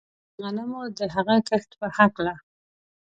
او د غنمو د هغه کښت په هکله